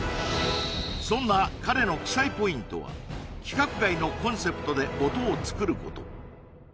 そんな彼の奇才ポイントは規格外のコンセプトで音を作ること